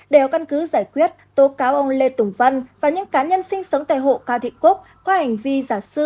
đều căn cứ giải quyết tố cáo ông lê tùng văn và những cá nhân sinh sống tại hộ cao thị cúc qua hành vi giả xưa